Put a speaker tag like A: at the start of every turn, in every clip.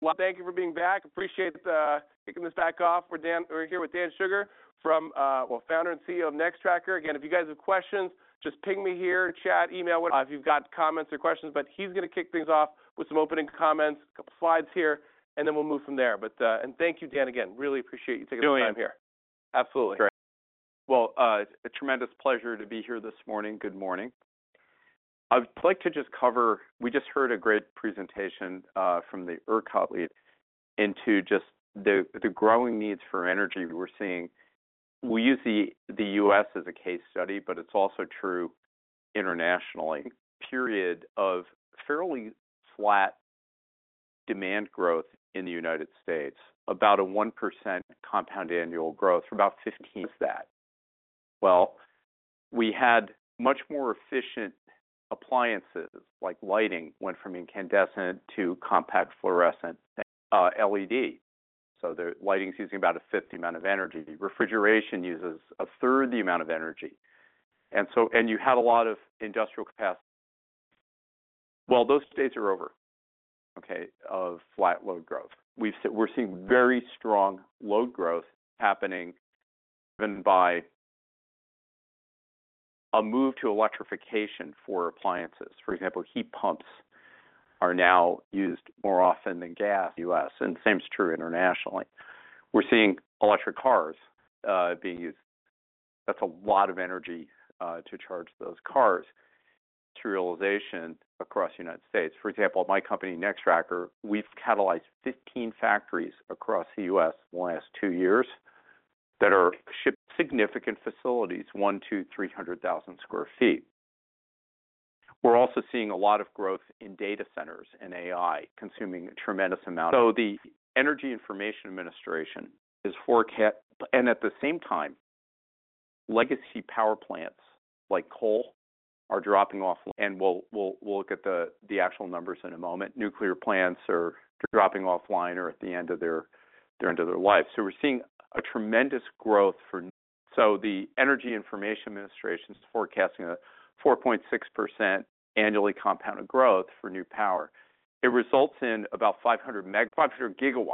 A: Well, thank you for being back. Appreciate kicking this back off. We're here with Dan Shugar from, well, Founder and CEO of Nextracker. Again, if you guys have questions, just ping me here in chat, email, whatever, if you've got comments or questions. But he's gonna kick things off with some opening comments, a couple slides here, and then we'll move from there. And thank you, Dan, again. Really appreciate you taking the time here. Absolutely.
B: Great. Well, it's a tremendous pleasure to be here this morning. Good morning. I'd like to just cover we just heard a great presentation from the ERCOT lead into just the growing needs for energy we're seeing. We use the U.S. as a case study, but it's also true internationally. Period of fairly flat demand growth in the United States, about a 1% compound annual growth for about 15 years. Well, we had much more efficient appliances, like lighting, went from incandescent to compact fluorescent, LED. So the lighting's using about a fifth the amount of energy. Refrigeration uses a third the amount of energy. And so you had a lot of industrial capacity well, those days are over, okay, of flat load growth. We're seeing very strong load growth happening driven by a move to electrification for appliances. For example, heat pumps are now used more often than gas. U.S. And the same's true internationally. We're seeing electric cars, being used. That's a lot of energy, to charge those cars. Electrification across the United States. For example, at my company, Nextracker, we've catalyzed 15 factories across the U.S. in the last two years that are shipped significant facilities, 100,000 sq ft-300,000 sq ft. We're also seeing a lot of growth in data centers and AI, consuming a tremendous amount. So the Energy Information Administration is forecast and at the same time, legacy power plants like coal are dropping off. And we'll look at the actual numbers in a moment. Nuclear plants are dropping offline or at the end of their life. So we're seeing a tremendous growth for. So the Energy Information Administration's forecasting a 4.6% annually compounded growth for new power. It results in about 500 GW,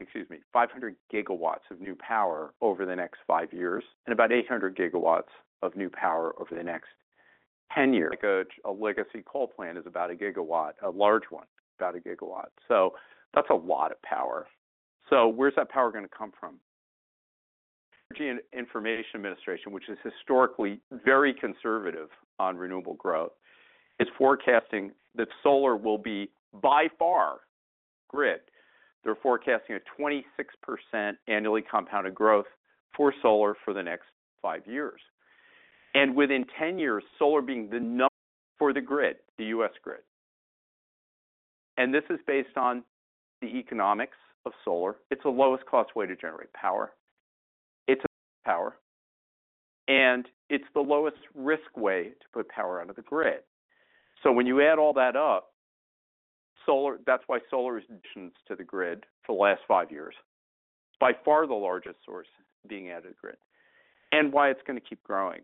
B: excuse me, 500 GW of new power over the next five years and about 800 GW of new power over the next 10 years. Like a legacy coal plant is about 1 GW, a large one, about 1 GW. So that's a lot of power. So where's that power gonna come from? Energy Information Administration, which is historically very conservative on renewable growth, is forecasting that solar will be by far grid. They're forecasting a 26% annually compounded growth for solar for the next five years. And within 10 years, solar being the number one for the grid, the U.S. grid. And this is based on the economics of solar. It's the lowest cost way to generate power. It's power. It's the lowest risk way to put power under the grid. So when you add all that up, solar. That's why solar is additions to the grid for the last 5 years, by far the largest source being added to the grid. And why it's gonna keep growing.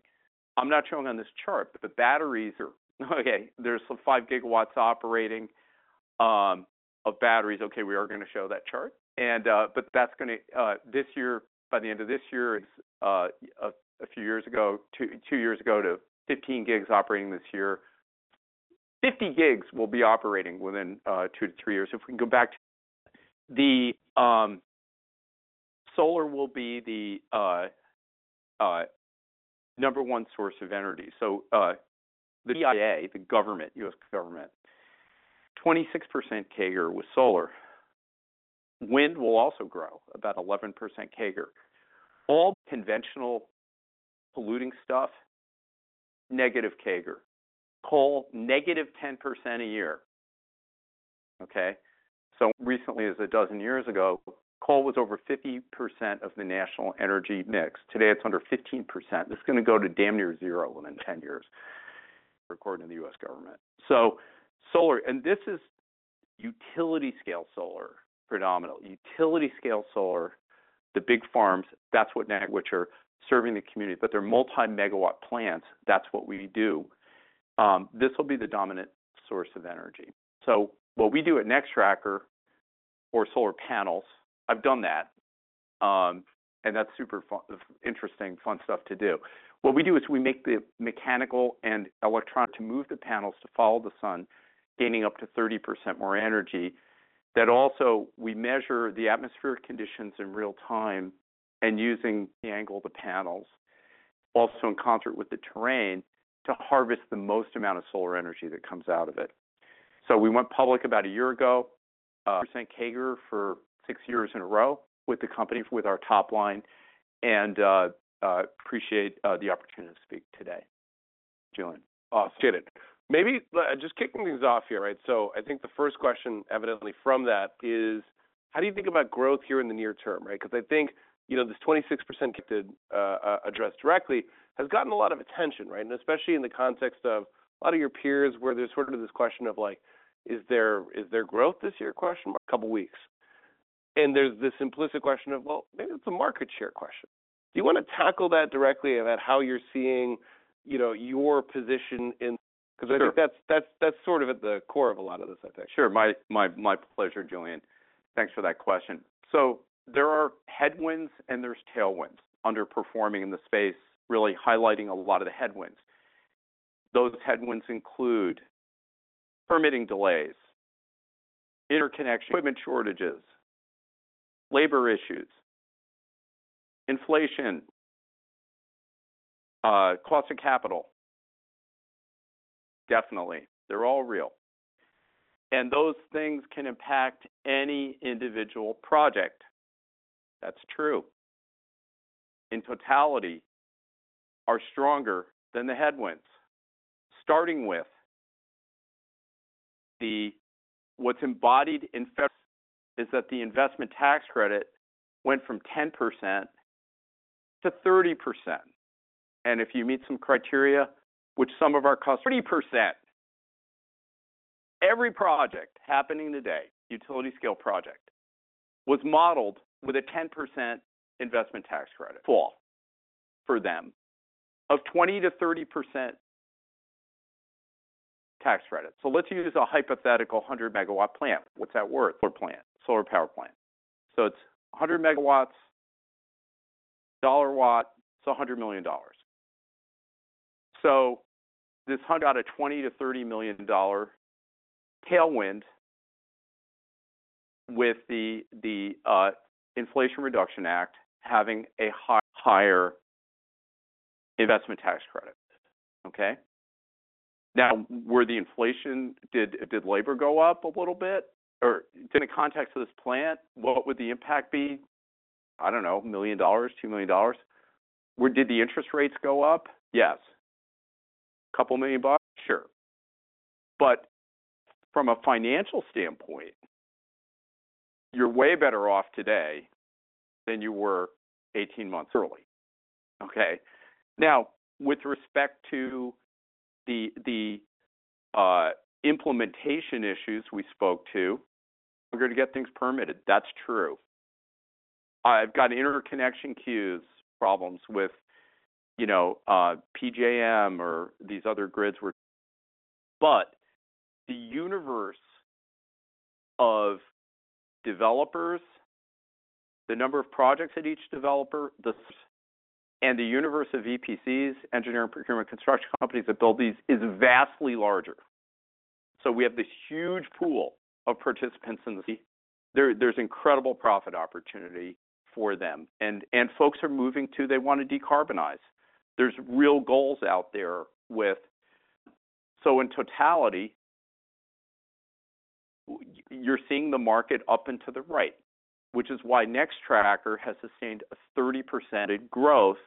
B: I'm not showing on this chart, but the batteries are okay. There's 5 GW operating of batteries. Okay. We are gonna show that chart. But that's gonna this year by the end of this year. A few years ago, 2 years ago to 15 GW operating this year. 50 GW will be operating within 2-3 years. If we can go back to the solar will be the number one source of energy. So the EIA, the government, U.S. government, 26% CAGR with solar. Wind will also grow, about 11% CAGR. All conventional polluting stuff, negative CAGR. Coal, -10% a year. Okay. So recently, as a dozen years ago, coal was over 50% of the national energy mix. Today, it's under 15%. It's gonna go to damn near zero within 10 years, according to the U.S. government. So solar and this is utility-scale solar, predominantly. Utility-scale solar, the big farms, that's what which are serving the community. But they're multi-megawatt plants. That's what we do. This will be the dominant source of energy. So what we do at Nextracker for solar panels I've done that. And that's super fun, interesting, fun stuff to do. What we do is we make the mechanical and electronic to move the panels to follow the sun, gaining up to 30% more energy. That also, we measure the atmospheric conditions in real time and using the angle of the panels, also in concert with the terrain, to harvest the most amount of solar energy that comes out of it. So we went public about a year ago, percent CAGR for six years in a row with the company, with our top line. And, appreciate, the opportunity to speak today. Julien.
A: Awesome. Appreciate it. Maybe, just kicking things off here, right? So I think the first question, evidently, from that is, how do you think about growth here in the near term, right? 'Cause I think, you know, this 26%. To, address directly has gotten a lot of attention, right? And especially in the context of a lot of your peers where there's sort of this question of, like, is there is there growth this year question? A couple weeks. And there's this implicit question of, well, maybe it's a market share question. Do you wanna tackle that directly about how you're seeing, you know, your position in. 'Cause I think that's, that's, that's sort of at the core of a lot of this, I think.
B: Sure. My, my, my pleasure, Julien. Thanks for that question. So there are headwinds and there's tailwinds. Underperforming in the space, really highlighting a lot of the headwinds. Those headwinds include permitting delays, interconnection, equipment shortages, labor issues, inflation, cost of capital. Definitely. They're all real. And those things can impact any individual project. That's true. In totality, are stronger than the headwinds, starting with the what's embodied in the IRA is that the investment tax credit went from 10% to 30%. And if you meet some criteria, which some of our customers. 30%. Every utility-scale project happening today was modeled with a 10% Investment Tax Credit. For all of them, 20%-30% tax credit. So let's use a hypothetical 100 MW plant. What's that worth? A plant, solar power plant. So it's 100 megawatts, dollar watt, it's $100 million. So this got a $20-$30 million tailwind with the Inflation Reduction Act having a higher Investment Tax Credit. Okay. Now, with the inflation, did labor go up a little bit? Or in the context of this plant, what would the impact be? I don't know, $1 million, $2 million? Did the interest rates go up? Yes. A couple million bucks? Sure. But from a financial standpoint, you're way better off today than you were 18 months early. Okay. Now, with respect to the implementation issues we spoke to. To get things permitted. That's true. I've got interconnection queues problems with, you know, PJM or these other grids where but the universe of developers, the number of projects at each developer, the and the universe of EPCs, engineering, procurement, construction companies that build these is vastly larger. So we have this huge pool of participants in the there's incredible profit opportunity for them. And, and folks are moving to they wanna decarbonize. There's real goals out there with. So in totality, you're seeing the market up and to the right, which is why Nextracker has sustained a 30% growth,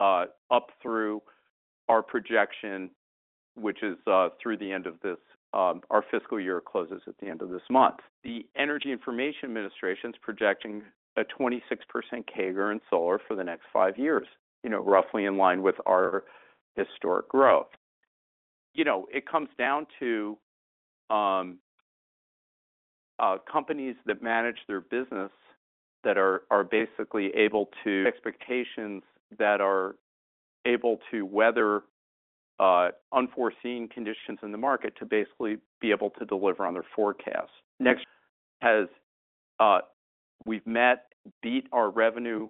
B: up through our projection, which is, through the end of this our fiscal year closes at the end of this month. The Energy Information Administration's projecting a 26% CAGR in solar for the next five years, you know, roughly in line with our historic growth. You know, it comes down to companies that manage their business that are basically able to meet expectations that are able to weather unforeseen conditions in the market to basically be able to deliver on their forecast. Nextracker has, we've met or beat our revenue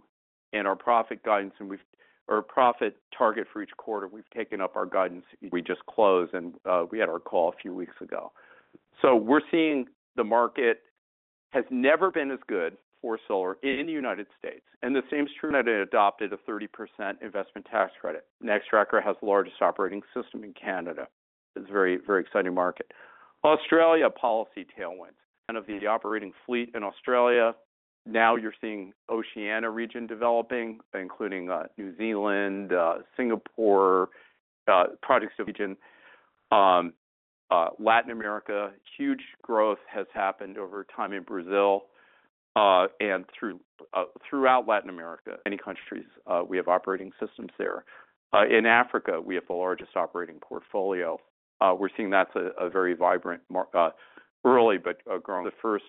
B: and our profit guidance, and we've met our profit target for each quarter. We've taken up our guidance. We just closed, and we had our call a few weeks ago. So we're seeing the market has never been as good for solar in the United States. And the same's true when it adopted a 30% investment tax credit. Nextracker has the largest operating fleet in Canada. It's a very, very exciting market. Australia policy tailwinds. Of the operating fleet in Australia. Now you're seeing Oceania region developing, including New Zealand, Singapore, projects in the region. Latin America, huge growth has happened over time in Brazil, and throughout Latin America. Countries, we have operating systems there. In Africa, we have the largest operating portfolio. We're seeing that's a very vibrant market, early but growing. The first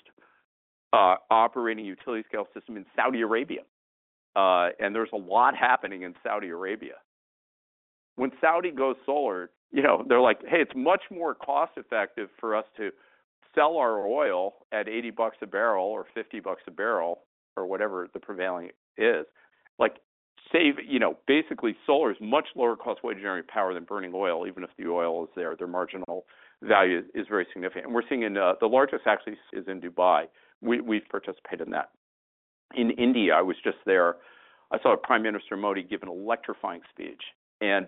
B: operating utility-scale system in Saudi Arabia. And there's a lot happening in Saudi Arabia. When Saudi goes solar, you know, they're like, "Hey, it's much more cost-effective for us to sell our oil at $80 a barrel or $50 a barrel or whatever the prevailing is." Like, save you know, basically, solar is much lower cost way to generate power than burning oil, even if the oil is there. Their marginal value is very significant. And we're seeing in, the largest actually is in Dubai. We've participated in that. In India, I was just there. I saw Prime Minister Modi give an electrifying speech.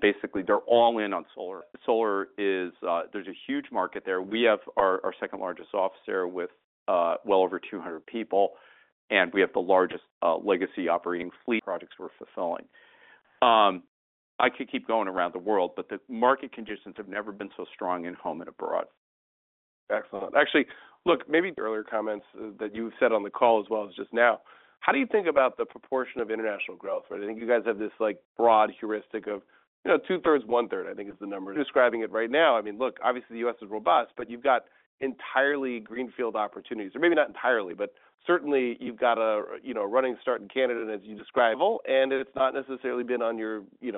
B: Basically, they're all in on solar. Solar is, there's a huge market there. We have our second largest office there with well over 200 people. And we have the largest legacy operating fleet. Projects we're fulfilling. I could keep going around the world, but the market conditions have never been so strong in home and abroad.
A: Excellent. Actually, look, maybe earlier comments that you've said on the call as well as just now. How do you think about the proportion of international growth, right? I think you guys have this, like, broad heuristic of, you know, 2/3, 1/3, I think, is the number. Describing it right now, I mean, look, obviously, the U.S. is robust, but you've got entirely greenfield opportunities. Or maybe not entirely, but certainly, you've got a, you know, a running start in Canada, as you describe. It's not necessarily been on your, you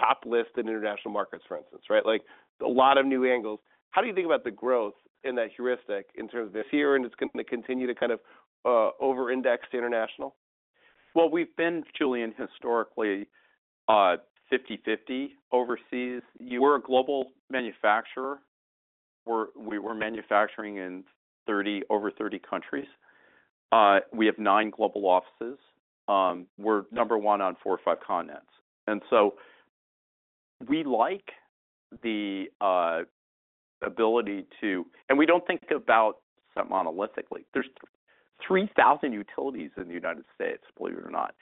A: know, top list in international markets, for instance, right? Like, a lot of new angles. How do you think about the growth in that heuristic in terms of here, and it's gonna continue to kind of over-index to international?
B: Well, we've been, Julien, historically, 50/50 overseas. We're a global manufacturer. We were manufacturing in over 30 countries. We have nine global offices. We're number one on four or five continents. And so we like the ability to, and we don't think about monolithically. There's 3,000 utilities in the United States, believe it or not.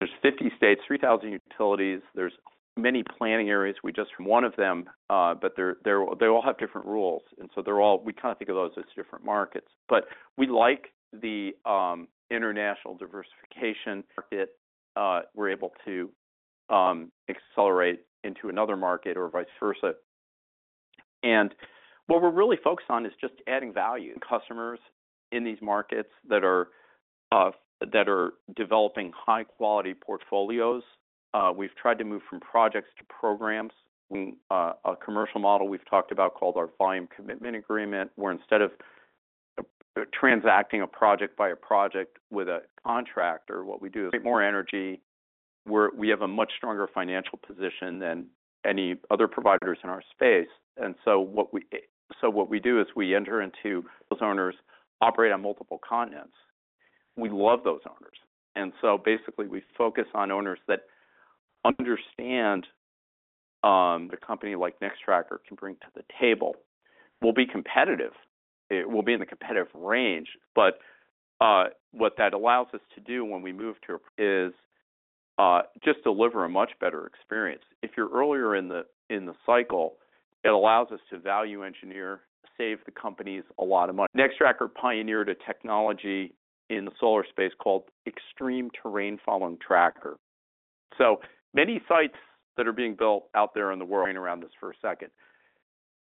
B: There's 50 states, 3,000 utilities. There's many planning areas. We're just one of them, but they're, they all have different rules. And so we kinda think of those as different markets. But we like the international diversification. In that market, we're able to accelerate into another market or vice versa. And what we're really focused on is just value to customers in these markets that are developing high-quality portfolios. We've tried to move from projects to programs. A commercial model we've talked about called our volume commitment agreement, where instead of transacting a project by a project with a contractor, what we do. More energy. We have a much stronger financial position than any other providers in our space. And so what we do is we enter into. Owners operate on multiple continents. We love those owners. And so basically, we focus on owners that understand a company like Nextracker can bring to the table. We'll be competitive. It'll be in the competitive range. But what that allows us to do when we move to a is just deliver a much better experience. If you're earlier in the cycle, it allows us to value engineer, save the companies a lot of money. Nextracker pioneered a technology in the solar space called extreme terrain-following tracker. Many sites that are being built out there in the world. Around this for a second.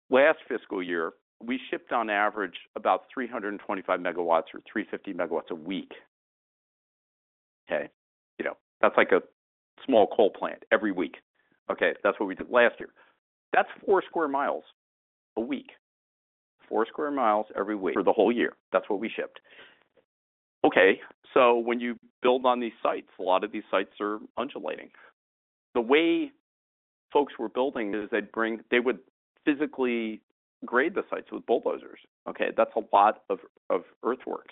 B: Last fiscal year, we shipped on average about 325 MW or 350 MW a week. Okay. You know, that's like a small coal plant every week. Okay. That's what we did last year. That's 4 sq mi a week. 4 sq mi every week for the whole year. That's what we shipped. Okay. So when you build on these sites, a lot of these sites are undulating. The way folks were building is they'd bring they would physically grade the sites with bulldozers. Okay. That's a lot of earthwork.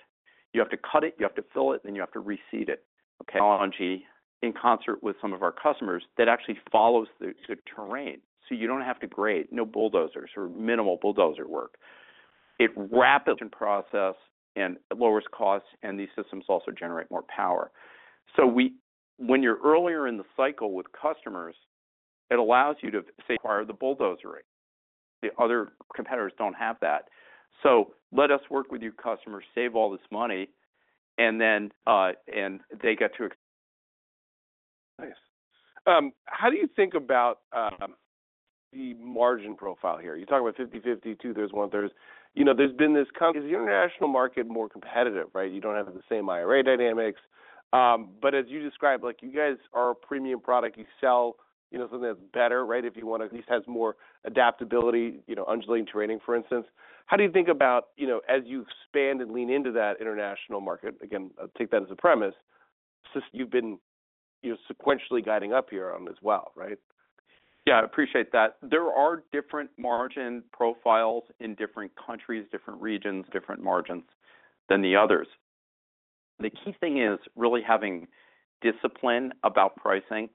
B: You have to cut it. You have to fill it. Then you have to reseed it. Okay. Technology in concert with some of our customers that actually follows the terrain. So you don't have to grade. No bulldozers or minimal bulldozer work. It rapidly processes and lowers costs. These systems also generate more power. So, when you're earlier in the cycle with customers, it allows you to say. Avoid the bulldozer rate. The other competitors don't have that. So let us work with your customers, save all this money, and then they get to.
A: Nice. How do you think about the margin profile here? You talk about 50/50, two-thirds, one-thirds. You know, there's been this con, is the international market more competitive, right? You don't have the same IRA dynamics. But as you described, like, you guys are a premium product. You sell, you know, something that's better, right, if you wanna at least has more adaptability, you know, undulating terrain, for instance. How do you think about, you know, as you expand and lean into that international market? Again, take that as a premise. So you've been, you know, sequentially guiding up here on as well, right?
B: Yeah. I appreciate that. There are different margin profiles in different countries, different regions. Different margins than the others. The key thing is really having discipline about pricing,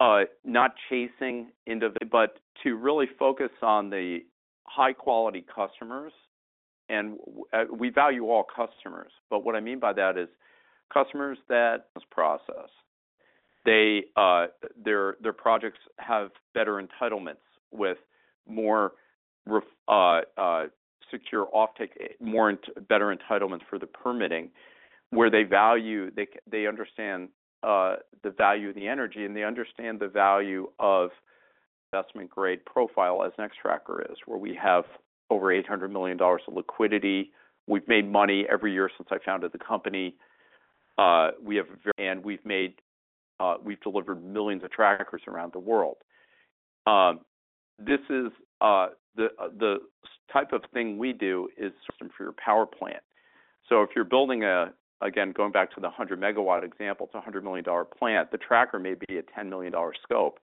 B: not chasing individual but to really focus on the high-quality customers. And we value all customers. But what I mean by that is customers that process. They, their projects have better entitlements with more secure offtake, more entitlements, better entitlements for the permitting where they value they understand the value of the energy. And they understand the value of investment-grade profile as Nextracker is, where we have over $800 million of liquidity. We've made money every year since I founded the company. We have a very. And we've delivered millions of trackers around the world. This is the type of thing we do for your power plant. So if you're building again, going back to the 100 MW example, it's a $100 million plant. The tracker may be a $10 million scope.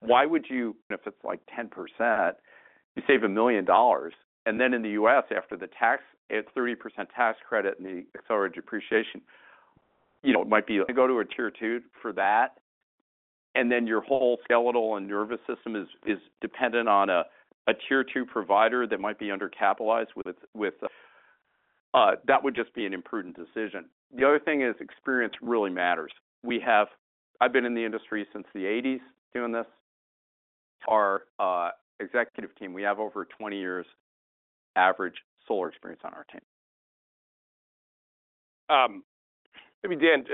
B: Why would you? If it's like 10%, you save $1 million. And then in the U.S., after the tax, a 30% tax credit and the accelerated depreciation, you know, it might be to go to a tier two for that. And then your whole skeletal and nervous system is dependent on a tier two provider that might be undercapitalized with that would just be an imprudent decision. The other thing is experience really matters. I've been in the industry since the 1980s doing this. Our executive team, we have over 20 years average solar experience on our team.
A: Maybe, Dan.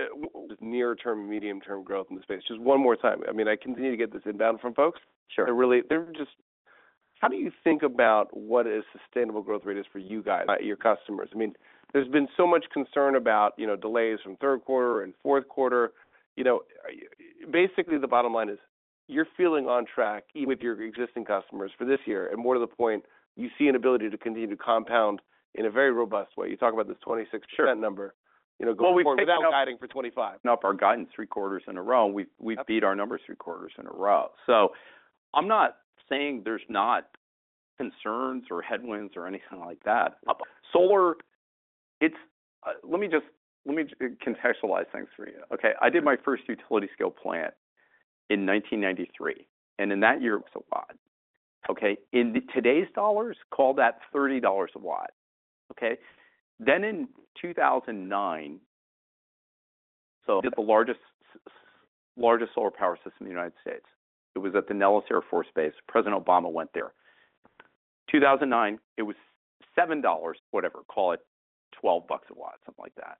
A: Just near-term, medium-term growth in the space. Just one more time. I mean, I continue to get this inbound from folks.
B: Sure.
A: They're really just how do you think about what a sustainable growth rate is for you guys, your customers? I mean, there's been so much concern about, you know, delays from third quarter and fourth quarter. You know, basically, the bottom line is you're feeling on track even with your existing customers for this year. And more to the point, you see an ability to continue to compound in a very robust way. You talk about this 26% number.
B: Sure.
A: You know, going forward without guiding for 2025.
B: Well, we've been up our guidance three quarters in a row. We've beat our numbers three quarters in a row. So I'm not saying there's not concerns or headwinds or anything like that. Solar, let me just contextualize things for you. Okay. I did my first utility-scale plant in 1993. And in that year, a watt. Okay. In today's dollars, call that $30 a watt. Okay. Then in 2009, so I did the largest solar power system in the United States. It was at the Nellis Air Force Base. President Obama went there. 2009, it was $7. Whatever. Call it $12 a watt, something like that.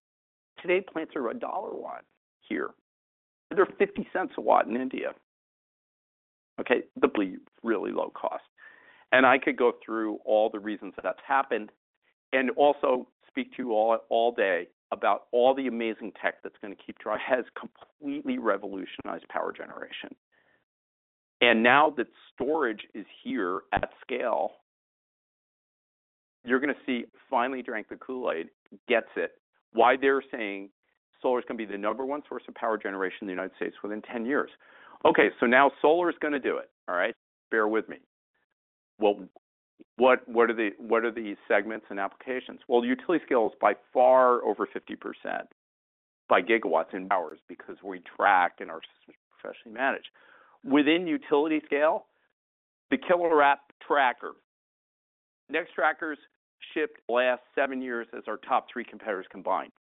B: Today, plants are $1 a watt here. They're $0.50 a watt in India. Okay. The really low cost. And I could go through all the reasons that that's happened and also speak to you all, all day about all the amazing tech that's gonna keep. Has completely revolutionized power generation. And now that storage is here at scale, you're gonna see finally drank the Kool-Aid, gets it. Why they're saying solar's gonna be the number one source of power generation in the United States within 10 years. Okay. So now solar's gonna do it, all right? Bear with me. Well, what, what are the what are these segments and applications? Well, utility-scale is by far over 50% by gigawatts in Hours because we track and our systems are professionally managed. Within utility-scale, the killer app, tracker. Nextracker's shipped last seven years as our top three competitors combined.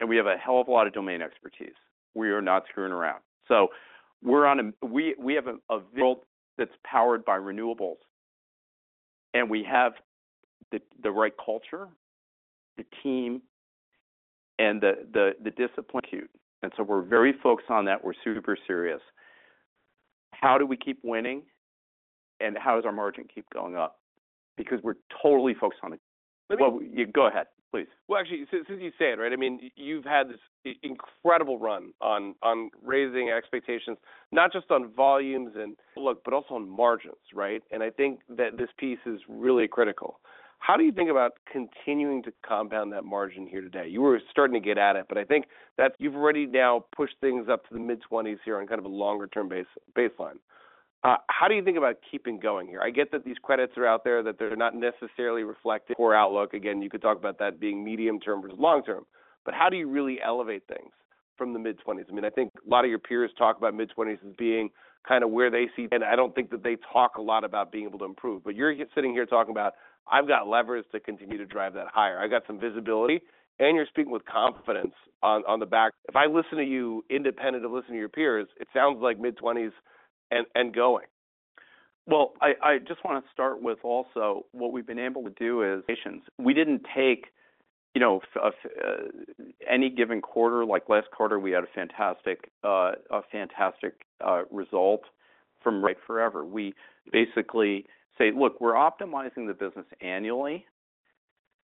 B: And we have a hell of a lot of domain expertise. We are not screwing around. So we have a world that's powered by renewables. And we have the right culture, the team, and the discipline to execute. And so we're very focused on that. We're super serious. How do we keep winning? And how does our margin keep going up? Because we're totally focused on.
A: Let me.
B: Well, you go ahead, please.
A: Well, actually, since you say it, right, I mean, you've had this incredible run on raising expectations, not just on volumes, and look, but also on margins, right? And I think that this piece is really critical. How do you think about continuing to compound that margin here today? You were starting to get at it, but I think that you've already now pushed things up to the mid-20s here on kind of a longer-term base, baseline. How do you think about keeping going here? I get that these credits are out there, that they're not necessarily reflected. Poor outlook. Again, you could talk about that being medium-term versus long-term. But how do you really elevate things from the mid-20s? I mean, I think a lot of your peers talk about mid-20s as being kinda where they see. I don't think that they talk a lot about being able to improve. But you're sitting here talking about, "I've got levers to continue to drive that higher. I've got some visibility." And you're speaking with confidence on the back. If I listen to you independent of listening to your peers, it sounds like mid-20s and going.
B: Well, I just wanna start with also what we've been able to do is. We didn't take, you know, for any given quarter. Like, last quarter, we had a fantastic result from forever. We basically say, "Look, we're optimizing the business annually,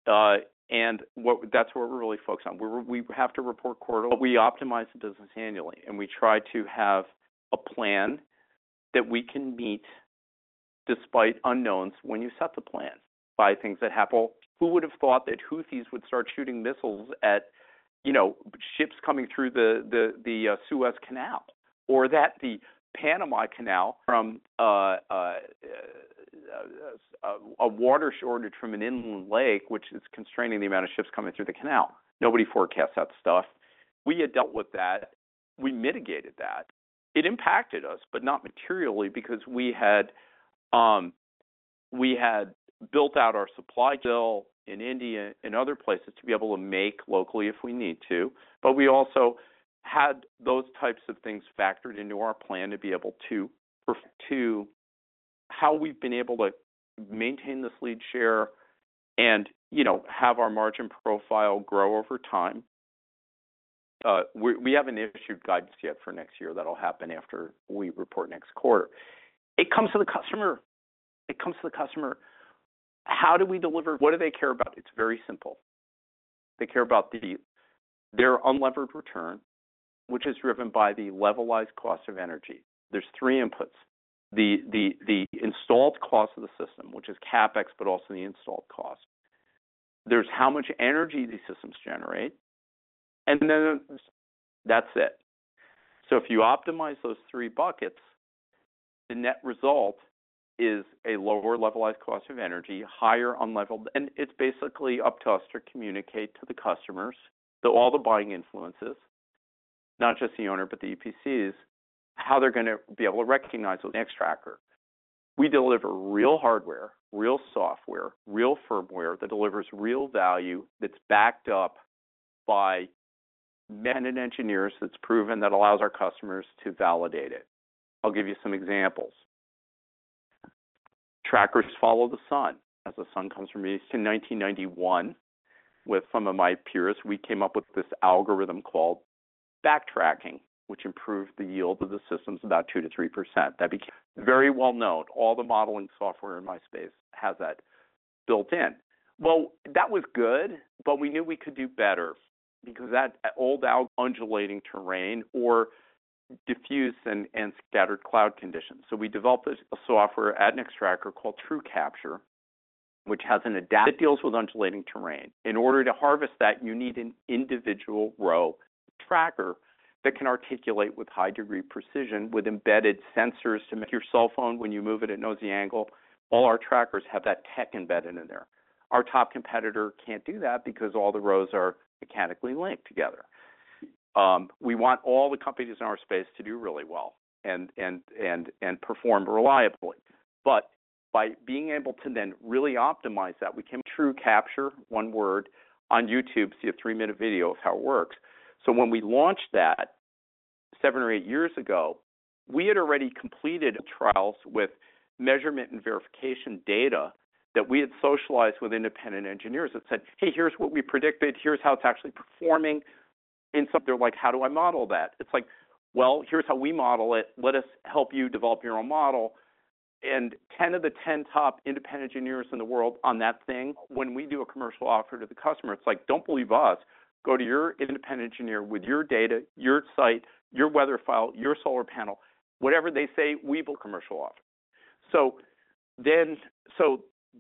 B: and what that's what we're really focused on. We're we have to report quarterly. We optimize the business annually. And we try to have a plan that we can meet despite unknowns when you set the plan by things that happen." Well, who would have thought that Houthis would start shooting missiles at, you know, ships coming through the Suez Canal or that the Panama Canal from a water shortage from an inland lake, which is constraining the amount of ships coming through the canal. Nobody forecasts that stuff. We had dealt with that. We mitigated that. It impacted us, but not materially because we had, we had built out our supply built in India and other places to be able to make locally if we need to. But we also had those types of things factored into our plan to be able to to how we've been able to maintain this lead share and, you know, have our margin profile grow over time. We, we haven't issued guidance yet for next year. That'll happen after we report next quarter. It comes to the customer. It comes to the customer. How do we deliver? What do they care about? It's very simple. They care about their unlevered return, which is driven by the levelized cost of energy. There's three inputs. The, the, the installed cost of the system, which is CapEx, but also the installed cost. There's how much energy these systems generate. And then. That's it. So if you optimize those three buckets, the net result is a lower levelized cost of energy, higher unlevered. And it's basically up to us to communicate to the customers, so all the buying influences, not just the owner, but the EPCs, how they're gonna be able to recognize Nextracker. We deliver real hardware, real software, real firmware that delivers real value that's backed up by me and engineers that's proven that allows our customers to validate it. I'll give you some examples. Trackers follow the sun as the sun comes from east. In 1991, with some of my peers, we came up with this algorithm called backtracking, which improved the yield of the systems about 2%-3%. That became very well-known. All the modeling software in my space has that built in. Well, that was good. But we knew we could do better because that old undulating terrain or diffuse and scattered cloud conditions. So we developed a software at Nextracker called TrueCapture, which has an algorithm that deals with undulating terrain. In order to harvest that, you need an individual row tracker that can articulate with high-degree precision with embedded sensors to make your cell phone, when you move it, it knows the angle. All our trackers have that tech embedded in there. Our top competitor can't do that because all the rows are mechanically linked together. We want all the companies in our space to do really well and perform reliably. But by being able to then really optimize that, we can TrueCapture, one word. On YouTube, see a three-minute video of how it works. So when we launched that seven or eight years ago, we had already completed trials with measurement and verification data that we had socialized with independent engineers that said, "Hey, here's what we predicted. Here's how it's actually performing." They're like, "How do I model that?" It's like, "Well, here's how we model it. Let us help you develop your own model." And 10 of the 10 top independent engineers in the world on that thing. When we do a commercial offer to the customer, it's like, "Don't believe us. Go to your independent engineer with your data, your site, your weather file, your solar panel. Whatever they say, we will commercial offer." So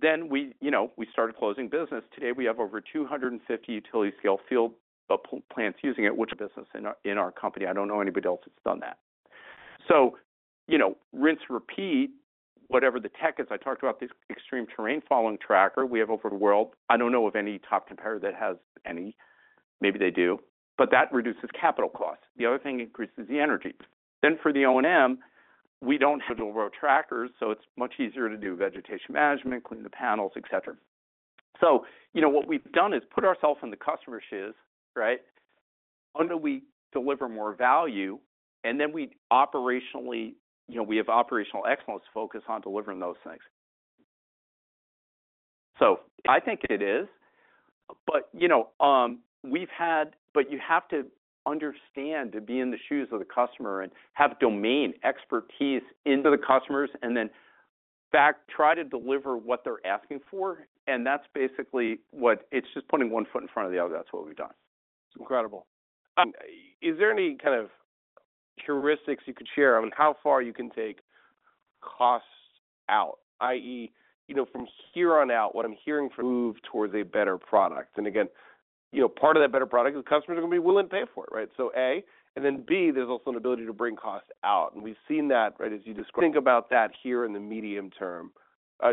B: then we, you know, we started closing business. Today, we have over 250 utility-scale plants using it, which business in our company. I don't know anybody else that's done that. So, you know, rinse-repeat, whatever the tech is. I talked about this extreme terrain-following tracker. We have over. World. I don't know of any top competitor that has any. Maybe they do. But that reduces capital costs. The other thing it increases the energy. Then for the O&M, we don't have. Row trackers. So it's much easier to do vegetation management, clean the panels, etc. So, you know, what we've done is put ourselves in the customer's shoes, right? How do we deliver more value? And then we operationally, you know, we have operational excellence focus on delivering those things. So. I think it is. But, you know, we've had but you have to understand to be in the shoes of the customer and have domain expertise in the customers and then back try to deliver what they're asking for. That's basically what it's just putting one foot in front of the other. That's what we've done.
A: It's incredible. Is there any kind of heuristics you could share on how far you can take cost out, i.e., you know, from here on out, what I'm hearing from. Move towards a better product? And again, you know, part of that better product is customers are gonna be willing to pay for it, right? So A. And then B. There's also an ability to bring cost out. And we've seen that, right, as you describe. Think about that here in the medium-term,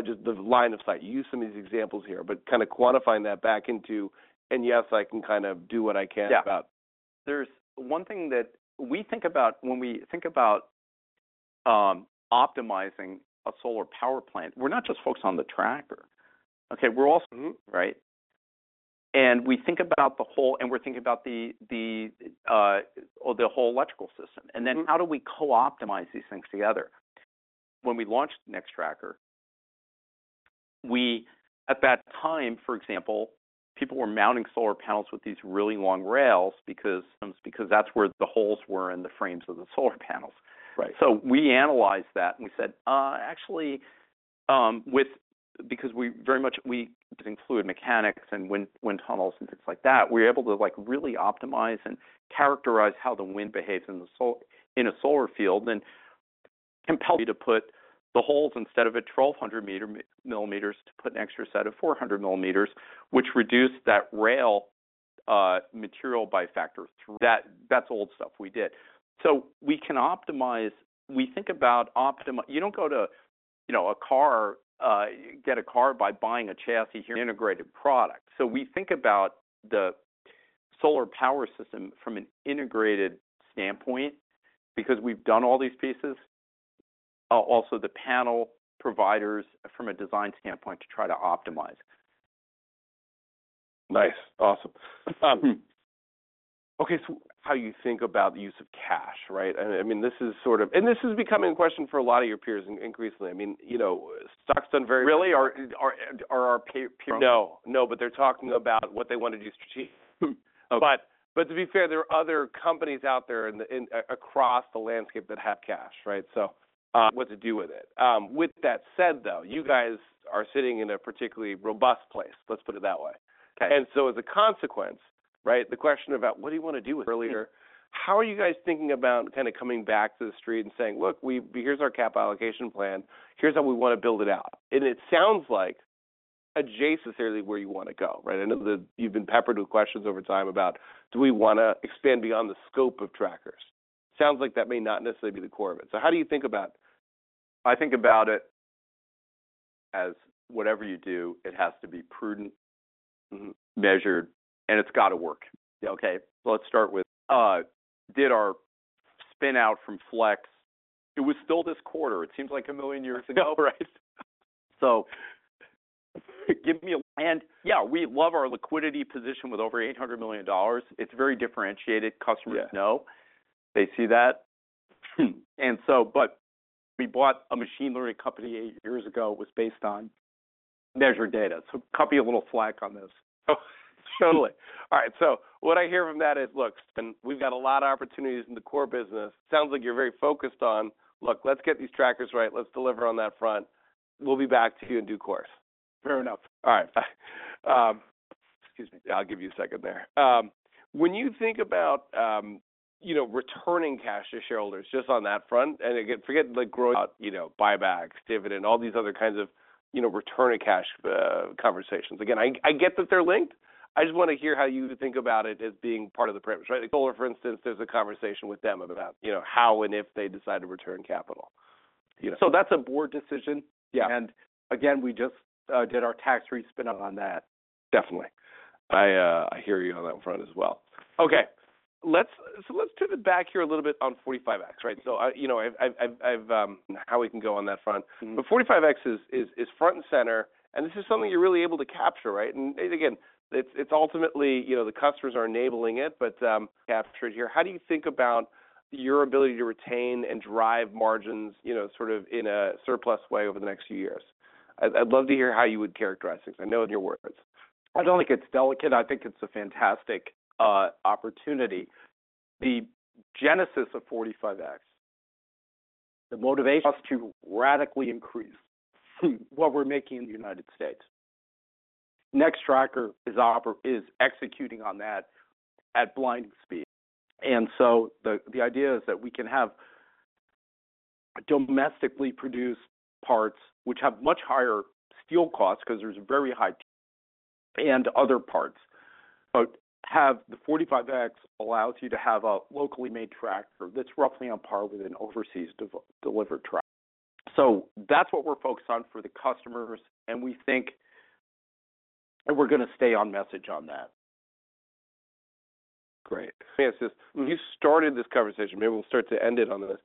A: just the line of sight. You used some of these examples here, but kinda quantifying that back into, and yes, I can kinda do what I can about.
B: Yeah. There's one thing that we think about when we think about optimizing a solar power plant; we're not just focused on the tracker. Okay. We're also right? And we think about the whole, and we're thinking about the whole electrical system. And then how do we co-optimize these things together? When we launched Nextracker, we at that time, for example, people were mounting solar panels with these really long rails because because that's where the holes were in the frames of the solar panels.
A: Right.
B: So we analyzed that. And we said, actually, with because we very much. Using fluid mechanics and wind, wind tunnels and things like that, we were able to, like, really optimize and characterize how the wind behaves in the solar field and compared. To put the holes instead of 1,200 mm to put an extra set of 400 mm, which reduced that rail material by a factor. That's old stuff we did. So we can optimize. We think about optimizing. You don't go to, you know, a car, get a car by buying a chassis. Integrated product. So we think about the solar power system from an integrated standpoint because we've done all these pieces, also the panel providers from a design standpoint to try to optimize.
A: Nice. Awesome. Okay. So. How you think about the use of cash, right? And, I mean, this is sort of and this is becoming a question for a lot of your peers increasingly. I mean, you know, stock's done very really are our peers. No. No. But they're talking about what they wanna do strategically. But to be fair, there are other companies out there across the landscape that have cash, right? So, what to do with it. With that said, though, you guys are sitting in a particularly robust place. Let's put it that way.
B: Okay.
A: And so, as a consequence, right, the question about earlier, how are you guys thinking about kinda coming back to the street and saying, "Look, we here's our cap allocation plan. Here's how we wanna build it out." And it sounds like adjacent to necessarily where you wanna go, right? I know that you've been peppered with questions over time about, "Do we wanna expand beyond the scope of trackers?" Sounds like that may not necessarily be the core of it. So how do you think about.
B: I think about it as whatever you do, it has to be prudent, measured, and it's gotta work. Okay. Let's start with our spin-out from Flex. It was still this quarter. It seems like a million years ago, right? So give me a. And yeah, we love our liquidity position with over $800 million. It's very differentiated. Customers know. They see that. And so but we bought a machine learning company eight years ago. It was based on measured data. So copy a little flex on this.
A: Totally. All right. So what I hear from that is, "Look. We've got a lot of opportunities in the core business. Sounds like you're very focused on, 'Look, let's get these trackers right. Let's deliver on that front. We'll be back to you in due course.'
B: Fair enough.
A: All right. Bye. Excuse me. I'll give you a second there. When you think about, you know, returning cash to shareholders just on that front and again, forget, like. You know, buybacks, dividend, all these other kinds of, you know, return of cash, conversations. Again, I get that they're linked. I just wanna hear how you think about it as being part of the premise, right? Solar, for instance, there's a conversation with them about, you know, how and if they decide to return capital, you know? So that's a board decision.
B: Yeah.
A: And again, we just did our tax-free spin-out on that.
B: Definitely. I hear you on that front as well.
A: Okay. So let's pivot back here a little bit on 45X, right? So, you know, I've how we can go on that front. But 45X is front and center. And this is something you're really able to capture, right? And again, it's ultimately, you know, the customers are enabling it. But captured here. How do you think about your ability to retain and drive margins, you know, sort of in a surplus way over the next few years? I'd love to hear how you would characterize things. I know in your words.
B: I don't think it's delicate. I think it's a fantastic opportunity. The genesis of 45X, the motivation for us to radically increase what we're making in the United States. Nextracker is operating, executing on that at blinding speed. And so the idea is that we can have domestically produced parts, which have much higher steel costs 'cause there's very high. And other parts. But the 45X allows you to have a locally made tracker that's roughly on par with an overseas-developed delivered tracker. So that's what we're focused on for the customers. And we think we're gonna stay on message on that.
A: Great. It's just you started this conversation. Maybe we'll start to end it on this.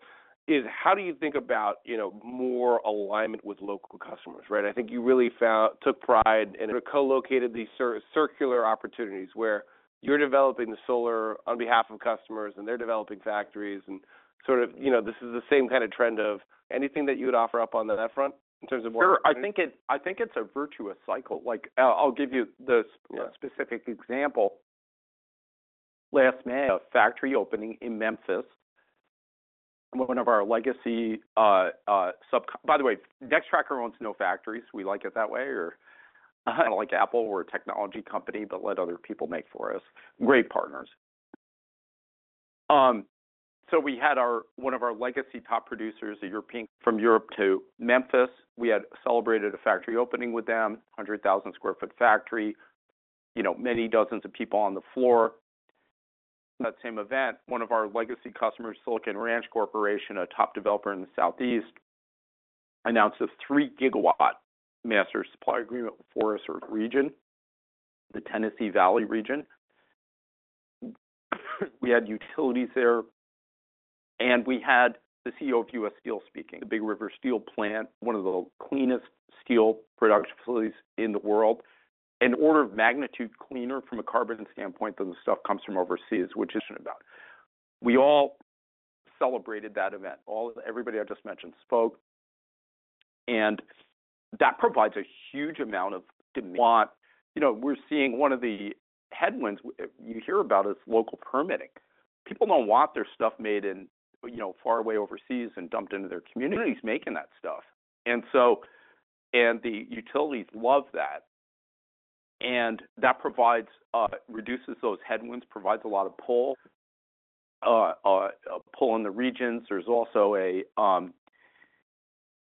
A: It's how do you think about, you know, more alignment with local customers, right? I think you really found took pride in. Colocated these circular opportunities where you're developing the solar on behalf of customers, and they're developing factories. And sort of, you know, this is the same kinda trend of. Anything that you would offer up on that front in terms of more?
B: Sure. I think it's a virtuous cycle. Like, I'll give you the, you know, specific example. Last May. A factory opening in Memphis. One of our legacy sub, by the way, Nextracker owns no factories. We like it that way. Not like Apple. We're a technology company but let other people make for us. Great partners. So we had one of our legacy top producers, a European from Europe to Memphis. We had celebrated a factory opening with them, 100,000 sq ft factory, you know, many dozens of people on the floor. That same event, one of our legacy customers, Silicon Ranch Corporation, a top developer in the Southeast, announced a 3 GW master supply agreement for us in the region, the Tennessee Valley region. We had utilities there. And we had the CEO of U.S. Steel speaking, the Big River Steel plant, one of the cleanest steel production facilities in the world, an order of magnitude cleaner from a carbon standpoint than the stuff comes from overseas, which about. We all celebrated that event. All of everybody I just mentioned spoke. And that provides a huge amount of. You know, we're seeing one of the headwinds you hear about is local permitting. People don't want their stuff made in, you know, far away overseas and dumped into their community. Community's making that stuff. And the utilities love that. And that provides, reduces those headwinds, provides a lot of pull in the regions. There's also a,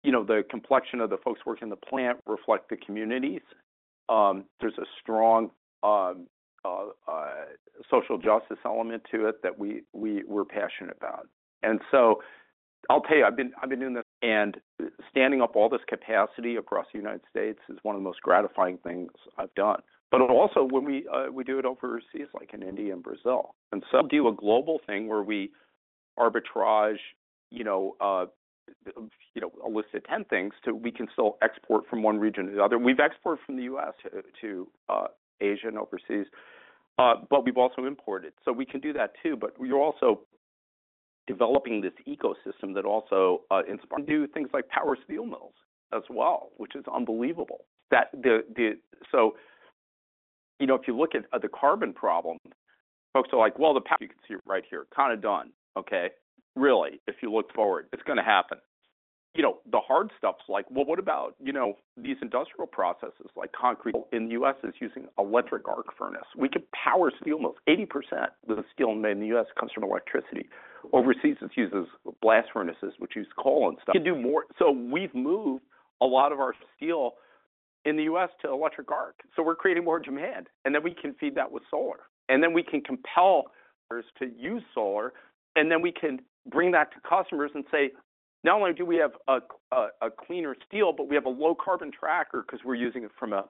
B: you know, the complexion of the folks working in the plant reflects the communities. There's a strong, social justice element to it that we're passionate about. And so I'll tell you, I've been doing this. And standing up all this capacity across the United States is one of the most gratifying things I've done. But also, when we do it overseas, like in India and Brazil. And do a global thing where we arbitrage, you know, you know, a list of 10 things that we can still export from one region to the other. We've exported from the U.S. to, to, Asia and overseas, but we've also imported. So we can do that too. But we're also developing this ecosystem that also inspires to do things like power steel mills as well, which is unbelievable. That, you know, if you look at the carbon problem, folks are like, "Well, the past you can see it right here. Kinda done. Okay? Really, if you look forward, it's gonna happen." You know, the hard stuff's like, "Well, what about, you know, these industrial processes like concrete. In the U.S. using electric arc furnace. We can power steel mills. 80% of the steel made in the U.S. comes from electricity. Overseas, it uses blast furnaces, which use coal and stuff. Can do more. So we've moved a lot of our steel in the U.S. to electric arc. So we're creating more demand. And then we can feed that with solar. And then we can compel to use solar. And then we can bring that to customers and say, "Not only do we have a cleaner steel, but we have a low-carbon tracker 'cause we're using it from a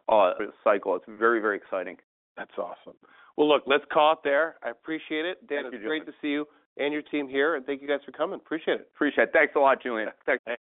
B: cycle." It's very, very exciting.
A: That's awesome. Well, look. Let's call it there. I appreciate it. Dan, it's great to see you and your team here. And thank you guys for coming. Appreciate it.
B: Appreciate it. Thanks a lot, Julien. Thanks.